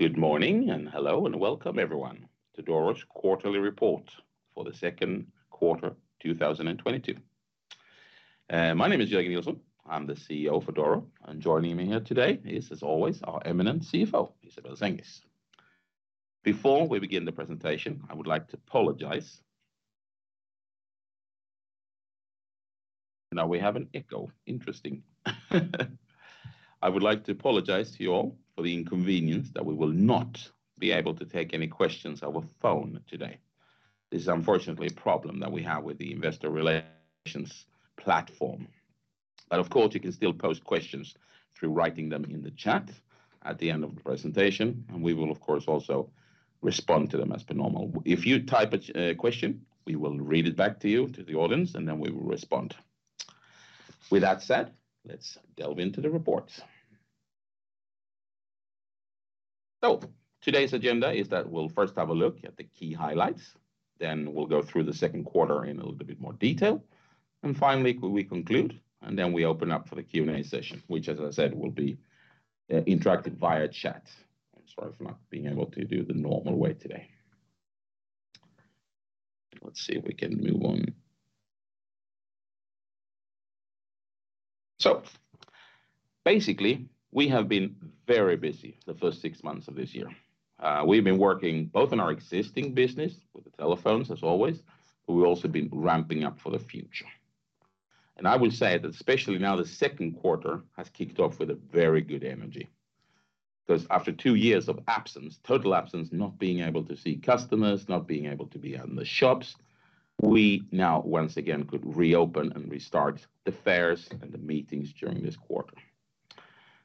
Good morning, and hello, and welcome everyone to Doro's quarterly report for the second quarter 2022. My name is Jörgen Nilsson. I'm the CEO for Doro, and joining me here today is, as always, our eminent CFO, Isabelle Senges. Before we begin the presentation, I would like to apologize. Now we have an echo. Interesting. I would like to apologize to you all for the inconvenience that we will not be able to take any questions over phone today. This is unfortunately a problem that we have with the investor relations platform. Of course, you can still post questions through writing them in the chat at the end of the presentation, and we will of course also respond to them as per normal. If you type a question, we will read it back to you, to the audience, and then we will respond. With that said, let's delve into the report. Today's agenda is that we'll first have a look at the key highlights, then we'll go through the second quarter in a little bit more detail. Finally, we conclude, and then we open up for the Q&A session, which as I said, will be interactive via chat. I'm sorry for not being able to do the normal way today. Let's see if we can move on. Basically, we have been very busy the first six months of this year. We've been working both on our existing business with the telephones as always, but we've also been ramping up for the future. I will say that especially now the second quarter has kicked off with a very good energy. 'Cause after two years of absence, total absence, not being able to see customers, not being able to be out in the shops, we now once again could reopen and restart the fairs and the meetings during this quarter.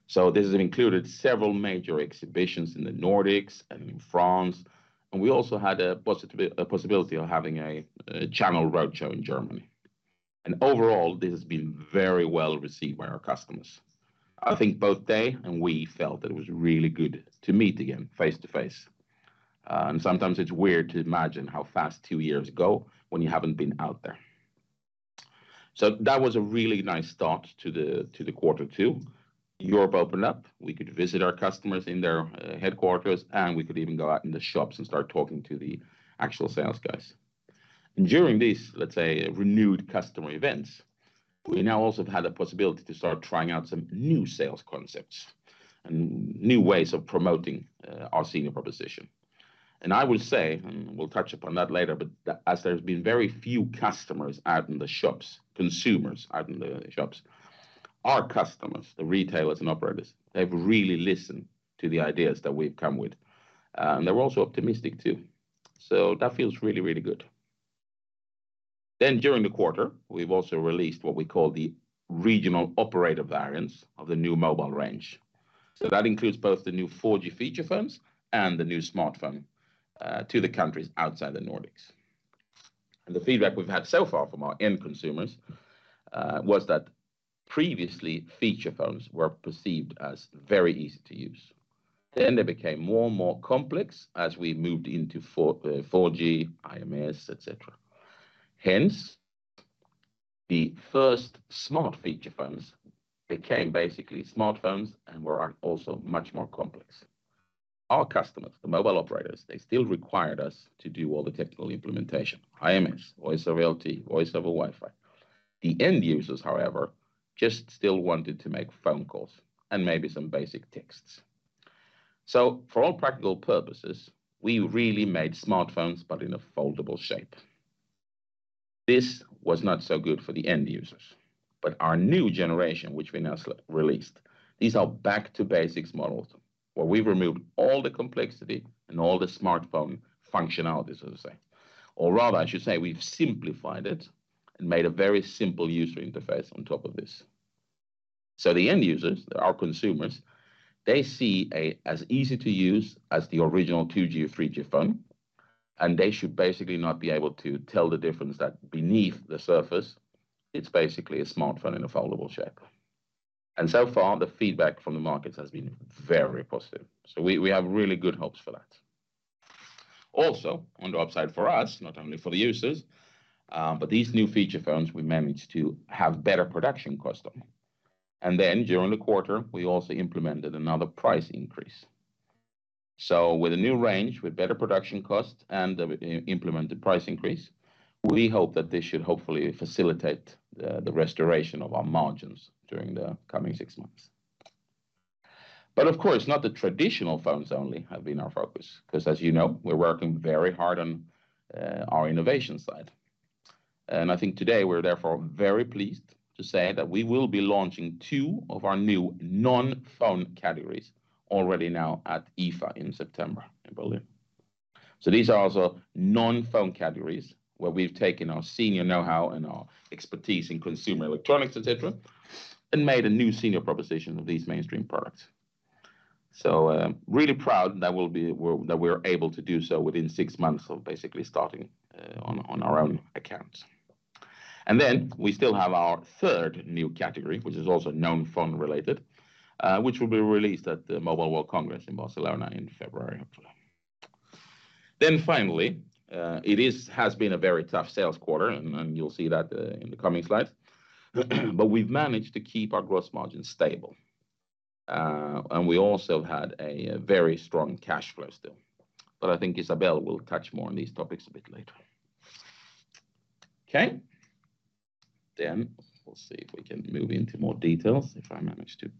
This has included several major exhibitions in the Nordics and in France, and we also had a possibility of having a channel roadshow in Germany. Overall, this has been very well received by our customers. I think both they and we felt that it was really good to meet again face to face. Sometimes it's weird to imagine how fast two years go when you haven't been out there. That was a really nice start to the quarter too. Europe opened up. We could visit our customers in their headquarters, and we could even go out in the shops and start talking to the actual sales guys. During these, let's say, renewed customer events, we now also had the possibility to start trying out some new sales concepts and new ways of promoting our senior proposition. I will say, and we'll touch upon that later, but as there's been very few customers out in the shops, consumers out in the shops, our customers, the retailers and operators, they've really listened to the ideas that we've come with. They were also optimistic too. That feels really, really good. During the quarter, we've also released what we call the regional operator variants of the new mobile range. That includes both the new 4G feature phones and the new smartphone to the countries outside the Nordics. The feedback we've had so far from our end consumers was that previously feature phones were perceived as very easy to use. They became more and more complex as we moved into 4G, IMS, et cetera. Hence, the first smart feature phones became basically smartphones and were also much more complex. Our customers, the mobile operators, they still required us to do all the technical implementation, IMS, Voice over LTE, Voice over Wi-Fi. The end users, however, just still wanted to make phone calls and maybe some basic texts. For all practical purposes, we really made smartphones but in a foldable shape. This was not so good for the end users. Our new generation, which we now released, these are back to basics models where we've removed all the complexity and all the smartphone functionalities, as I say, or rather I should say we've simplified it and made a very simple user interface on top of this. The end users, our consumers, they see as easy to use as the original 2G or 3G phone, and they should basically not be able to tell the difference that beneath the surface it's basically a smartphone in a foldable shape. So far the feedback from the markets has been very positive. We have really good hopes for that. Also, on the upside for us, not only for the users, but these new feature phones, we managed to have better production cost on. During the quarter, we also implemented another price increase. With a new range, with better production cost and the implemented price increase, we hope that this should hopefully facilitate the restoration of our margins during the coming six months. Of course, not the traditional phones only have been our focus 'cause as you know, we're working very hard on our innovation side. I think today we're therefore very pleased to say that we will be launching two of our new non-phone categories already now at IFA in September in Berlin. These are also non-phone categories where we've taken our senior know-how and our expertise in consumer electronics, et cetera, and made a new senior proposition of these mainstream products. Really proud that we're able to do so within six months of basically starting on our own account. We still have our third new category, which is also non-phone related, which will be released at the Mobile World Congress in Barcelona in February. Finally, it has been a very tough sales quarter, and you'll see that in the coming slides. We've managed to keep our gross margin stable. We also had a very strong cash flow still. I think Isabelle will touch more on these topics a bit later. Okay. We'll see if we can move into more details, if I manage to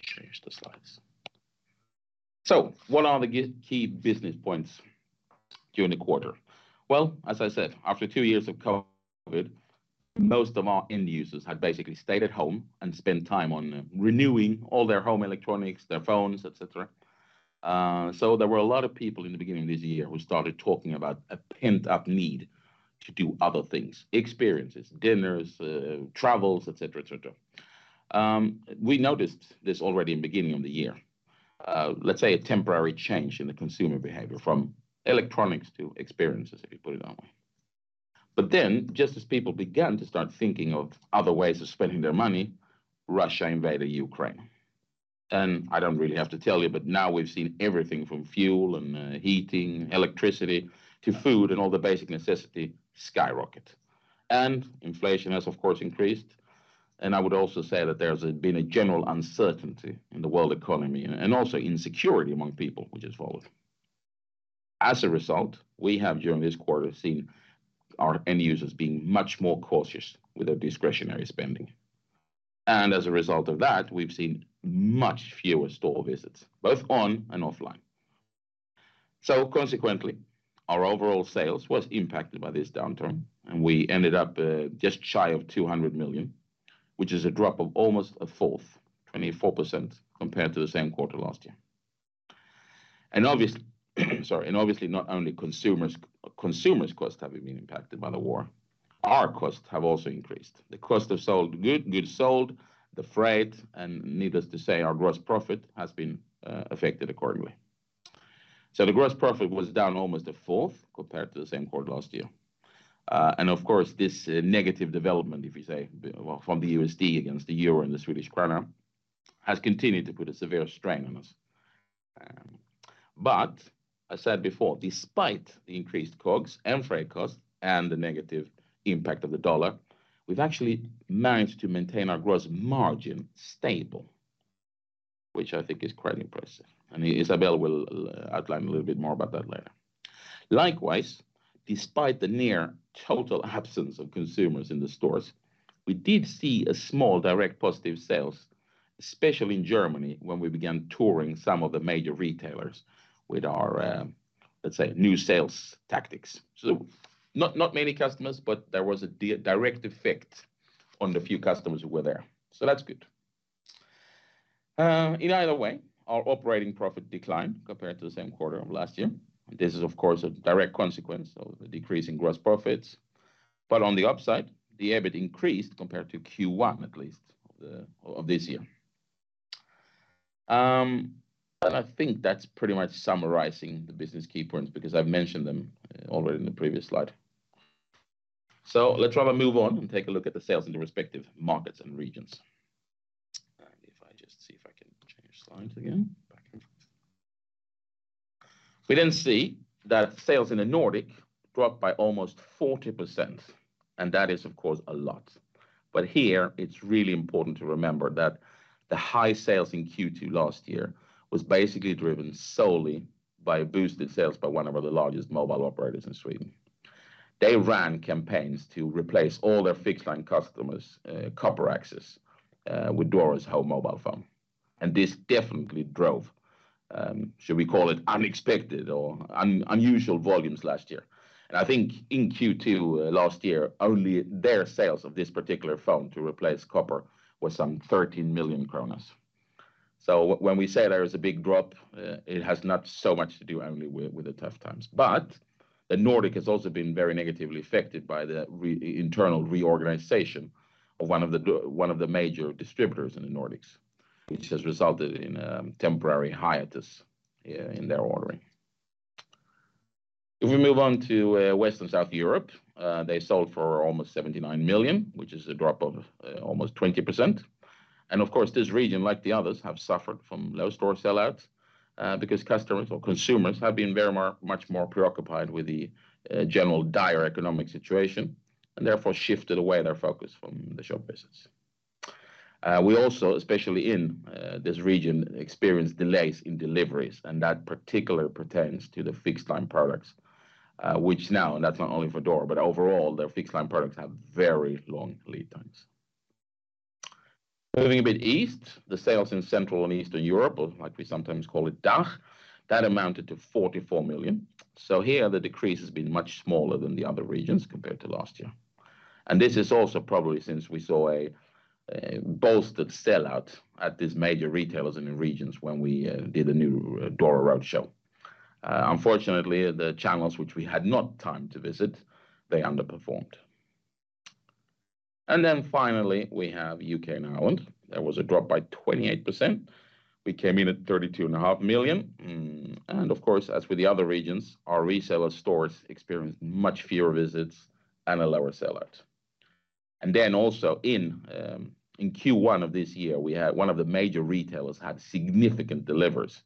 change the slides. What are the key business points during the quarter? Well, as I said, after two years of COVID, most of our end users had basically stayed at home and spent time on renewing all their home electronics, their phones, et cetera. There were a lot of people in the beginning of this year who started talking about a pent-up need to do other things, experiences, dinners, travels, et cetera, et cetera. We noticed this already in beginning of the year, let's say a temporary change in the consumer behavior from electronics to experiences, if you put it that way. Just as people began to start thinking of other ways of spending their money, Russia invaded Ukraine. I don't really have to tell you, but now we've seen everything from fuel and, heating, electricity to food and all the basic necessity skyrocket. Inflation has, of course, increased. I would also say that there's been a general uncertainty in the world economy and also insecurity among people which has followed. As a result, we have during this quarter seen our end users being much more cautious with their discretionary spending. As a result of that, we've seen much fewer store visits, both on and offline. Consequently, our overall sales was impacted by this downturn, and we ended up just shy of 200 million, which is a drop of almost a fourth, 24% compared to the same quarter last year. Obviously, not only consumers' costs have been impacted by the war, our costs have also increased. The cost of goods sold, the freight, and needless to say, our gross profit has been affected accordingly. The gross profit was down almost a fourth compared to the same quarter last year. Of course, this negative development, if we say, well, from the USD against the euro and the Swedish krona, has continued to put a severe strain on us. I said before, despite the increased COGS and freight costs and the negative impact of the dollar, we've actually managed to maintain our gross margin stable, which I think is quite impressive. Isabelle will outline a little bit more about that later. Likewise, despite the near total absence of consumers in the stores, we did see a small direct positive sales, especially in Germany, when we began touring some of the major retailers with our, let's say, new sales tactics. Not many customers, but there was a direct effect on the few customers who were there. That's good. In either way, our operating profit declined compared to the same quarter of last year. This is, of course, a direct consequence of the decrease in gross profits. On the upside, the EBIT increased compared to Q1, at least, of this year. I think that's pretty much summarizing the business key points because I've mentioned them already in the previous slide. Let's rather move on and take a look at the sales in the respective markets and regions. If I just see if I can change slides again. Back. We then see that sales in the Nordic dropped by almost 40%, and that is, of course, a lot. Here it's really important to remember that the high sales in Q2 last year was basically driven solely by a boosted sales by one of the largest mobile operators in Sweden. They ran campaigns to replace all their fixed line customers, copper access, with Doro's VoLTE mobile phone. This definitely drove, should we call it unexpected or unusual volumes last year. I think in Q2 last year, only their sales of this particular phone to replace copper was some 13 million kronor. When we say there is a big drop, it has not so much to do only with the tough times. The Nordic has also been very negatively affected by the internal reorganization of one of the major distributors in the Nordics, which has resulted in temporary hiatus in their ordering. If we move on to West and South Europe, they sold for almost 79 million, which is a drop of almost 20%. Of course, this region, like the others, have suffered from low store sell-outs because customers or consumers have been much more preoccupied with the general dire economic situation, and therefore shifted away their focus from the shop visits. We also, especially in this region, experienced delays in deliveries, and that particular pertains to the fixed line products, which now, and that's not only for Doro, but overall their fixed line products have very long lead times. Moving a bit east, the sales in Central and Eastern Europe, or like we sometimes call it DACH, that amounted to 44 million. Here the decrease has been much smaller than the other regions compared to last year. This is also probably since we saw a bolstered sell-out at these major retailers in the regions when we did a new Doro road show. Unfortunately, the channels which we had not time to visit, they underperformed. Finally, we have U.K and Ireland. There was a drop by 28%. We came in at 32.5 million. Of course, as with the other regions, our reseller stores experienced much fewer visits and a lower sell-out. Also in Q1 of this year, we had one of the major retailers had significant deliveries.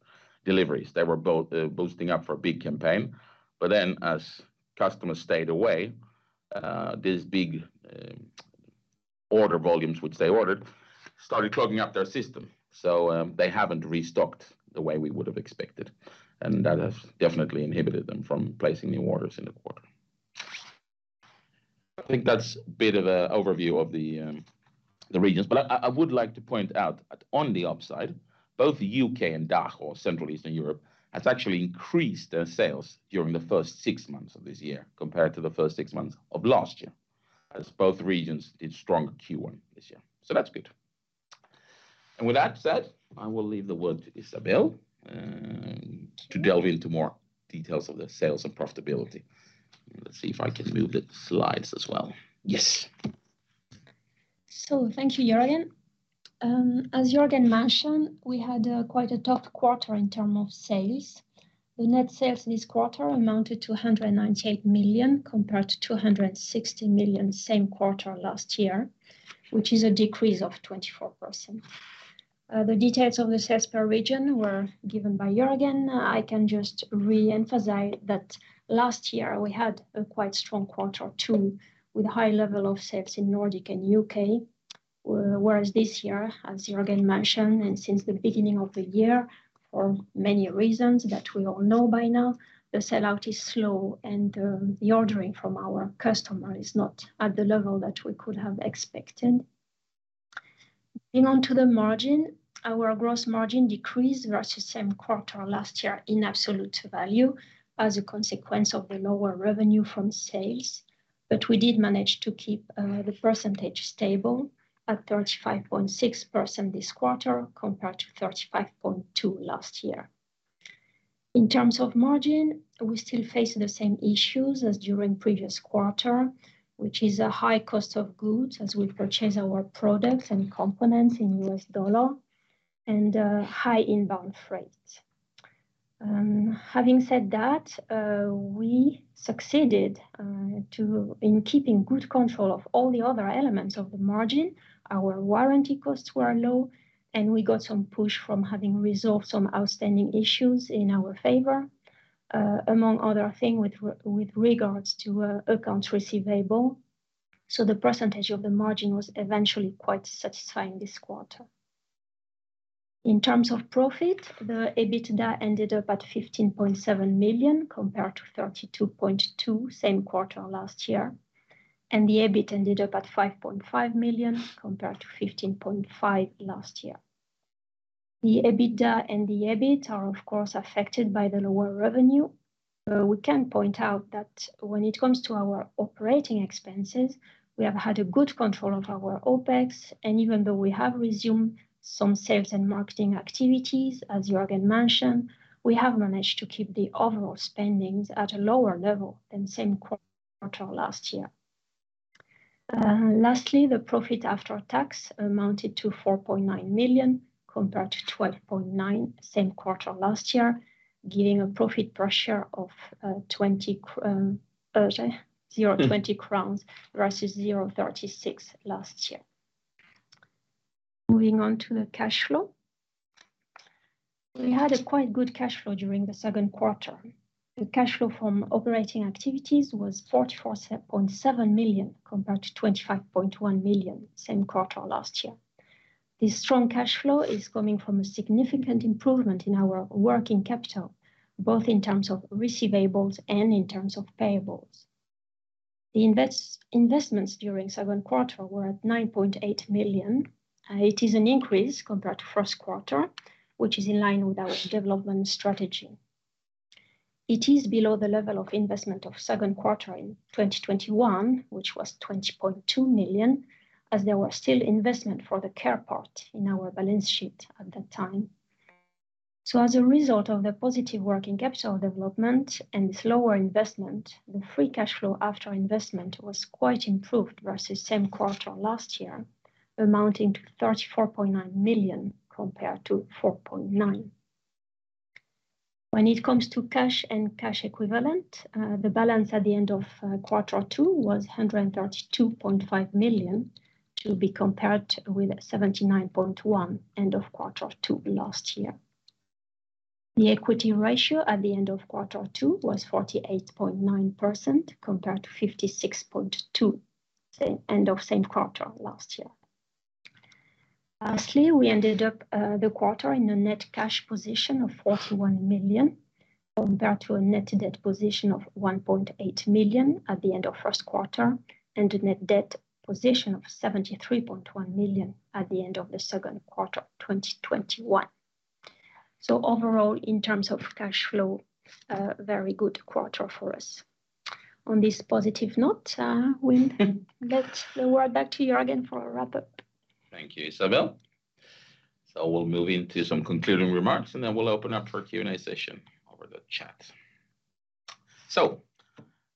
They were boosting up for a big campaign. As customers stayed away, this big order volumes which they ordered started clogging up their system. They haven't restocked the way we would have expected, and that has definitely inhibited them from placing new orders in the quarter. I think that's a bit of an overview of the regions. I would like to point out that on the upside, both U.K and DACH or Central Eastern Europe has actually increased their sales during the first six months of this year compared to the first six months of last year, as both regions did strong Q1 this year. That's good. With that said, I will leave the word to Isabelle to delve into more details of the sales and profitability. Let's see if I can move the slides as well. Yes. Thank you, Jörgen. As Jörgen mentioned, we had quite a tough quarter in terms of sales. The net sales this quarter amounted to 198 million, compared to 260 million same quarter last year, which is a decrease of 24%. The details of the sales per region were given by Jörgen. I can just re-emphasize that last year we had a quite strong quarter too, with high level of sales in Nordic and U.K, whereas this year, as Jörgen mentioned, and since the beginning of the year, for many reasons that we all know by now, the sell-out is slow and the ordering from our customer is not at the level that we could have expected. Moving on to the margin, our gross margin decreased versus same quarter last year in absolute value as a consequence of the lower revenue from sales. We did manage to keep the percentage stable at 35.6% this quarter, compared to 35.2% last year. In terms of margin, we still face the same issues as during previous quarter, which is a high cost of goods as we purchase our products and components in US dollar and high inbound freight. Having said that, we succeeded in keeping good control of all the other elements of the margin. Our warranty costs were low, and we got some push from having resolved some outstanding issues in our favor, among other things with regards to accounts receivable. The percentage of the margin was eventually quite satisfying this quarter. In terms of profit, the EBITDA ended up at 15.7 million, compared to 32.2 million same quarter last year. The EBIT ended up at 5.5 million, compared to 15.5 million last year. The EBITDA and the EBIT are, of course, affected by the lower revenue. We can point out that when it comes to our operating expenses, we have had a good control of our OpEx, and even though we have resumed some sales and marketing activities, as Jörgen mentioned, we have managed to keep the overall spending at a lower level than same quarter last year. Lastly, the profit after tax amounted to 4.9 million, compared to 12.9 million same quarter last year, giving a profit per share of 0.20 crowns versus 0.36 SEK last year. Moving on to the cash flow. We had a quite good cash flow during the second quarter. The cash flow from operating activities was 44.7 million, compared to 25.1 million same quarter last year. This strong cash flow is coming from a significant improvement in our working capital, both in terms of receivables and in terms of payables. The investments during second quarter were at 9.8 million. It is an increase compared to first quarter, which is in line with our development strategy. It is below the level of investment of second quarter in 2021, which was 20.2 million, as there were still investment for the care part in our balance sheet at that time. As a result of the positive working capital development and this lower investment, the free cash flow after investment was quite improved versus same quarter last year, amounting to 34.9 million compared to 4.9 million. When it comes to cash and cash equivalents, the balance at the end of quarter two was 132.5 million to be compared with 79.1 million end of quarter two last year. The equity ratio at the end of quarter two was 48.9%, compared to 56.2% end of same quarter last year. Lastly, we ended up the quarter in a net cash position of 41 million, compared to a net debt position of 1.8 million at the end of first quarter and a net debt position of 73.1 million at the end of the second quarter 2021. Overall, in terms of cash flow, a very good quarter for us. On this positive note, we'll get the word back to Jörgen for a wrap-up. Thank you, Isabelle. We'll move into some concluding remarks, and then we'll open up for a Q&A session over the chat.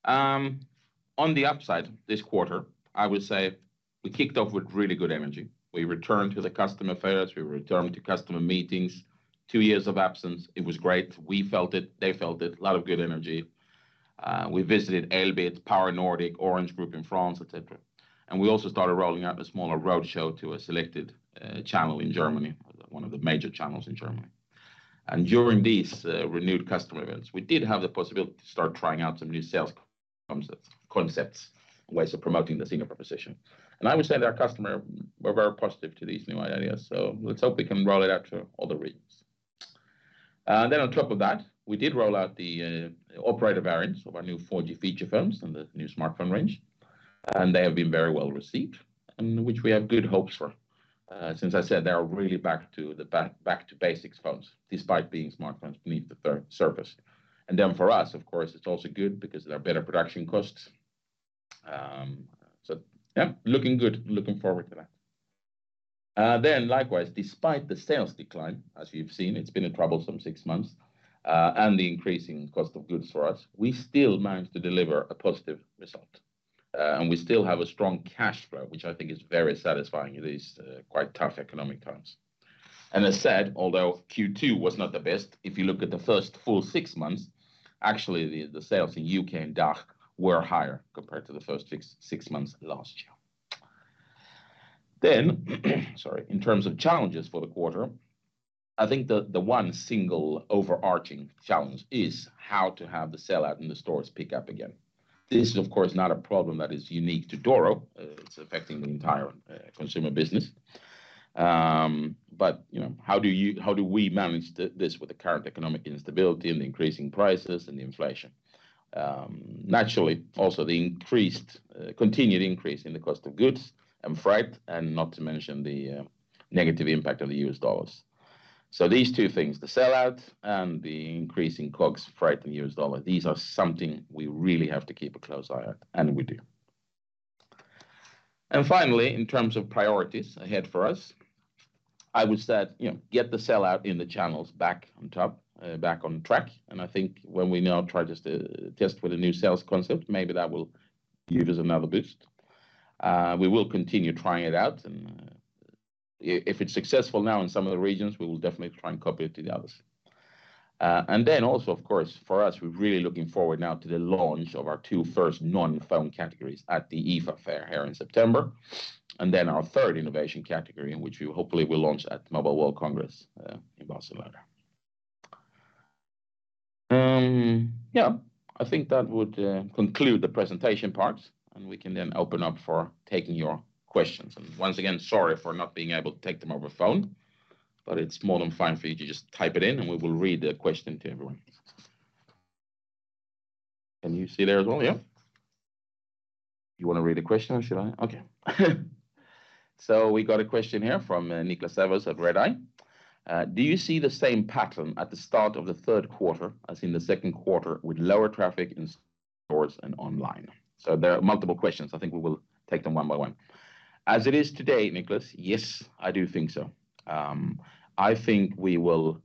On the upside this quarter, I would say we kicked off with really good energy. We returned to the customer fairs, we returned to customer meetings. Two years of absence, it was great. We felt it, they felt it. A lot of good energy. We visited Elgiganten, Power, Orange in France, et cetera. We also started rolling out a smaller roadshow to a selected channel in Germany, one of the major channels in Germany. During these renewed customer events, we did have the possibility to start trying out some new sales concepts, ways of promoting the single proposition. I would say that our customers were very positive to these new ideas, so let's hope we can roll it out to other regions. On top of that, we did roll out the operator variants of our new 4G feature phones and the new smartphone range, and they have been very well received, and which we have good hopes for. Since I said they are really back to basics phones despite being smartphones under the surface. For us, of course, it's also good because there are better production costs. So yeah, looking good. Looking forward to that. Likewise, despite the sales decline, as you've seen, it's been a troublesome six months, and the increasing cost of goods for us. We still managed to deliver a positive result, and we still have a strong cash flow, which I think is very satisfying in these quite tough economic times. As said, although Q2 was not the best, if you look at the first full six months, actually the sales in UK and DACH were higher compared to the first six months last year. Sorry. In terms of challenges for the quarter, I think the one single overarching challenge is how to have the sell out and the stores pick up again. This is, of course, not a problem that is unique to Doro. It's affecting the entire consumer business. You know, how do we manage this with the current economic instability and the increasing prices and the inflation? Naturally also the increased, continued increase in the cost of goods and freight, and not to mention the negative impact of the U.S. dollars. These two things, the sell out and the increase in COGS, freight and U.S. dollar, these are something we really have to keep a close eye at, and we do. Finally, in terms of priorities ahead for us, I would say, you know, get the sell out in the channels back on top, back on track. I think when we now try to test with a new sales concept, maybe that will give us another boost. We will continue trying it out, and if it's successful now in some of the regions, we will definitely try and copy it to the others. also of course for us, we're really looking forward now to the launch of our two first non-phone categories at the IFA fair here in September, and then our third innovation category in which we hopefully will launch at Mobile World Congress in Barcelona. I think that would conclude the presentation part, and we can then open up for taking your questions. Once again, sorry for not being able to take them over phone, but it's more than fine for you to just type it in and we will read the question to everyone. Can you see there as well? Yeah. You wanna read a question or should I? Okay. We got a question here from Niklas Sävås at Redeye. Do you see the same pattern at the start of the third quarter as in the second quarter with lower traffic in stores and online? There are multiple questions. I think we will take them one by one. As it is today, Niklas. Yes, I do think so. I think we will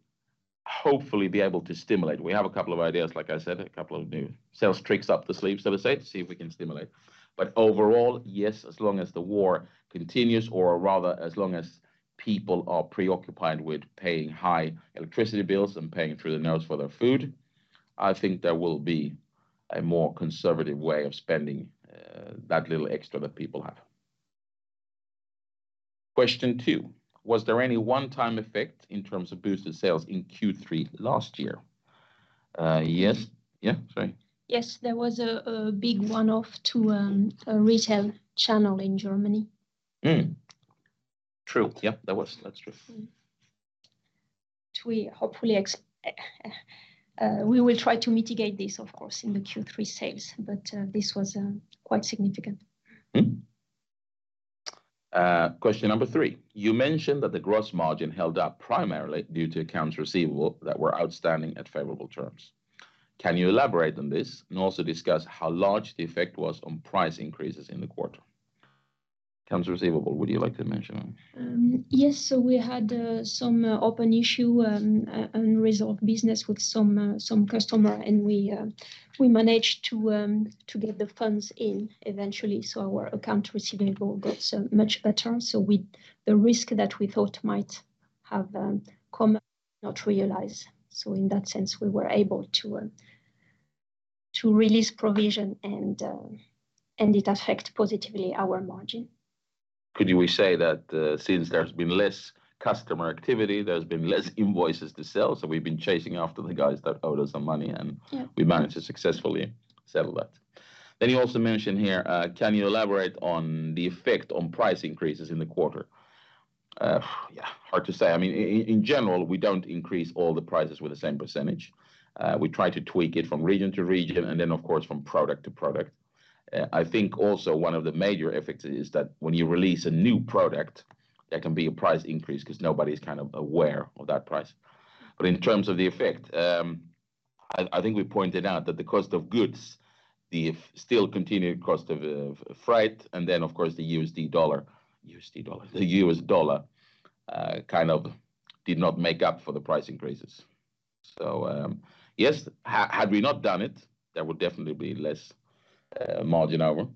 hopefully be able to stimulate. We have a couple of ideas, like I said, a couple of new sales tricks up the sleeve, so to say, to see if we can stimulate. But overall, yes, as long as the war continues, or rather as long as people are preoccupied with paying high electricity bills and paying through the nose for their food, I think there will be a more conservative way of spending, that little extra that people have. Question two: Was there any one-time effect in terms of boosted sales in Q3 last year? Yes. Yeah, sorry. Yes. There was a big one-off to a retail channel in Germany. True. Yeah. That's true. We hopefully will try to mitigate this of course in the Q3 sales, but this was quite significant. Question number three: you mentioned that the gross margin held up primarily due to accounts receivable that were outstanding at favorable terms. Can you elaborate on this and also discuss how large the effect was on price increases in the quarter? Accounts receivable. Would you like to mention them? Yes. We had some open issue, unresolved business with some customer and we managed to get the funds in eventually, so our accounts receivable got so much better. The risk that we thought might have come, not realized. In that sense, we were able to release provision and it affect positively our margin. Could we say that, since there's been less customer activity, there's been less invoices to sell, so we've been chasing after the guys that owe us some money and Yeah We managed to successfully settle that. You also mentioned here, can you elaborate on the effect on price increases in the quarter? Yeah, hard to say. I mean, in general, we don't increase all the prices with the same percentage. We try to tweak it from region to region and then of course from product to product. I think also one of the major effects is that when you release a new product, there can be a price increase 'cause nobody's kind of aware of that price. In terms of the effect, I think we pointed out that the cost of goods, the still continued cost of freight and then of course the U.S dollar kind of did not make up for the price increases. Yes, had we not done it, there would definitely be less margin overall.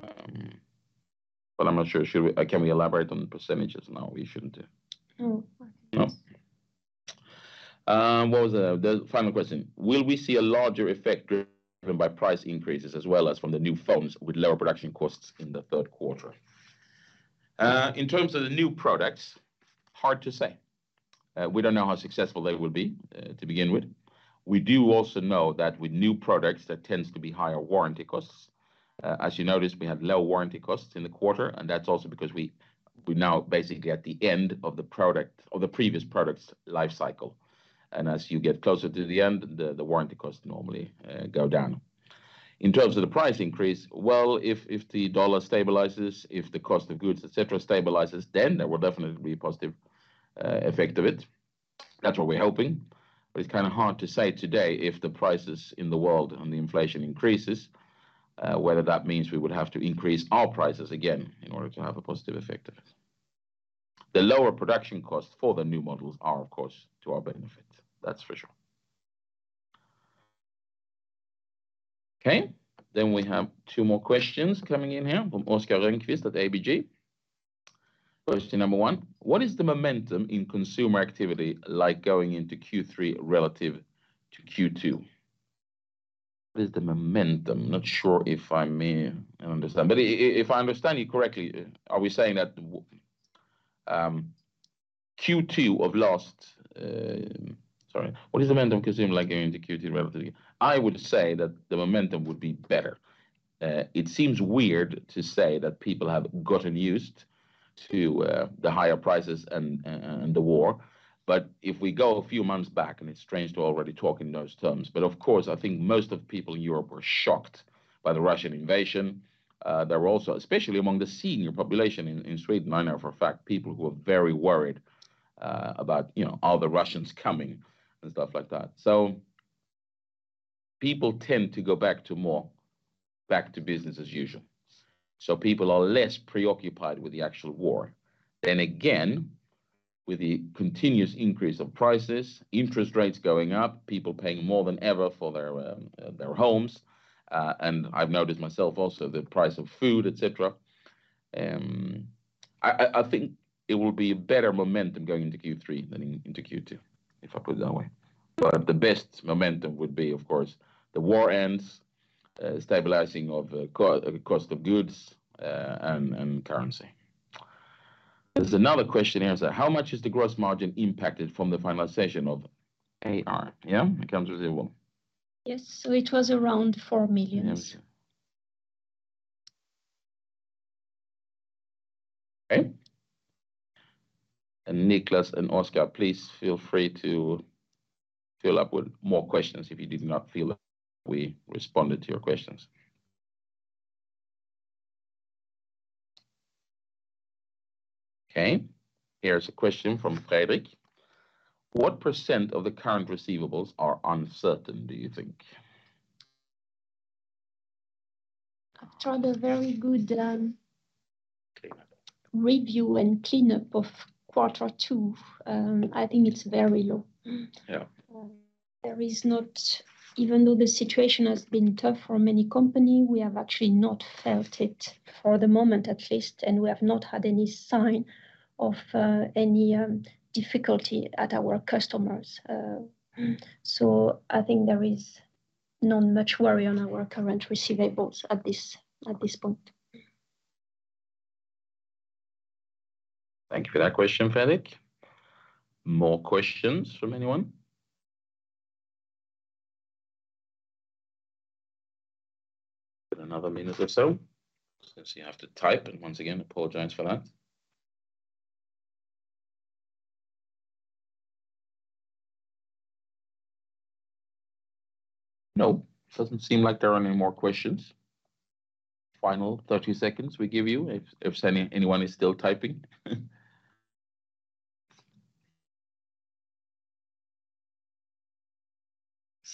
But I'm not sure. Can we elaborate on the percentages? No, we shouldn't. No, I think it's. No? What was the final question Will we see a larger effect driven by price increases as well as from the new phones with lower production costs in the third quarter? In terms of the new products, hard to say. We don't know how successful they will be, to begin with. We do also know that with new products there tends to be higher warranty costs. As you noticed, we had low warranty costs in the quarter, and that's also because we're now basically at the end of the previous product's life cycle. As you get closer to the end, the warranty costs normally go down. In terms of the price increase, well, if the U.S dollar stabilizes, if the cost of goods, et cetera, stabilizes, then there will definitely be a positive effect of it. That's what we're hoping. It's kinda hard to say today if the prices in the world and the inflation increases whether that means we would have to increase our prices again in order to have a positive effect of it. The lower production costs for the new models are, of course, to our benefit. That's for sure. Okay. We have two more questions coming in here from Oscar Rönnquist at ABG. Question number one: What is the momentum in consumer activity like going into Q3 relative to Q2? What is the momentum? Not sure if I understand. If I understand you correctly, what is the momentum in consumer activity like going into Q3 relative to Q2. I would say that the momentum would be better. It seems weird to say that people have gotten used to the higher prices and the war. If we go a few months back, it's strange to already talk in those terms, but of course, I think most of people in Europe were shocked by the Russian invasion. There were also, especially among the senior population in Sweden, I know for a fact people who are very worried about, you know, are the Russians coming, and stuff like that. People tend to go back to business as usual, so people are less preoccupied with the actual war. With the continuous increase of prices, interest rates going up, people paying more than ever for their homes, and I've noticed myself also the price of food, et cetera, I think it will be a better momentum going into Q3 than into Q2, if I put it that way. The best momentum would be, of course, the war ends, stabilizing of cost of goods, and currency. There's another question here that say. How much is the gross margin impacted from the finalization of AR? Yeah. Accounts receivable? Yes. It was around 4 million. Yes. Okay. Niklas and Oscar, please feel free to fill up with more questions if you did not feel we responded to your questions. Okay. Here's a question from Fredrik: What % of the current receivables are uncertain, do you think? After the very good. Cleanup Review and cleanup of quarter two, I think it's very low. Yeah. Even though the situation has been tough for many company, we have actually not felt it for the moment, at least, and we have not had any sign of any difficulty at our customers. So I think there is not much worry on our current receivables at this point. Thank you for that question, Fredrik. More questions from anyone? Give it another minute or so since you have to type. Once again, apologize for that. No, doesn't seem like there are any more questions. Final 30 seconds we give you if anyone is still typing.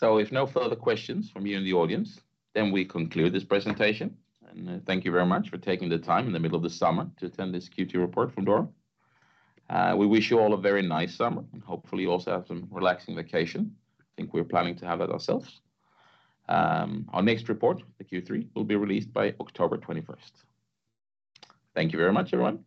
If no further questions from you in the audience, then we conclude this presentation. Thank you very much for taking the time in the middle of the summer to attend this Q2 report from Doro. We wish you all a very nice summer, and hopefully you also have some relaxing vacation. I think we're planning to have that ourselves. Our next report, the Q3, will be released by October 21. Thank you very much, everyone.